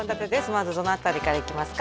まずどの辺りからいきますか？